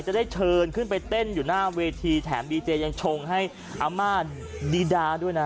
จะได้เชิญขึ้นไปเต้นอยู่หน้าเวทีแถมดีเจยังชงให้อาม่าดีดาด้วยนะ